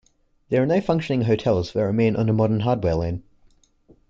There are no functioning hotels that remain on the modern Hardware Lane.